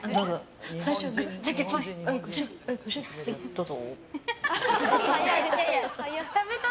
どうぞー。